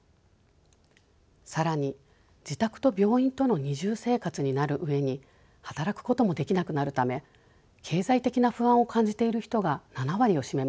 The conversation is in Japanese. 更に自宅と病院との二重生活になる上に働くこともできなくなるため経済的な不安を感じている人が７割を占めました。